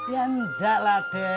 ya enggak lah dad